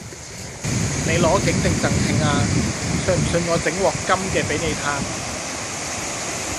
你攞景定贈慶啊？信唔信我整鑊金嘅你嘆！